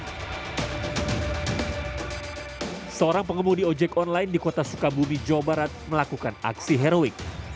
hai seorang pengemudi ojek online di kota sukabumi jawa barat melakukan aksi heroik